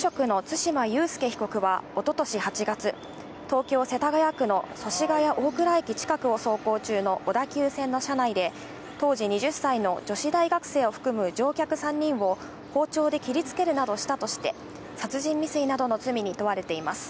無職の対馬悠介被告はおととし８月、東京・世田谷区の祖師ヶ谷大蔵駅近くを走行中の小田急線の車内で、当時２０歳の女子大学生を含む乗客３人を包丁で切りつけるなどしたとして殺人未遂などの罪に問われています。